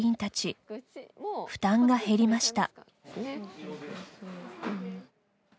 負担が減りました。